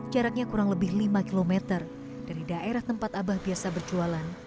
jaraknya kurang lebih lima km dari daerah tempat abah biasa berjualan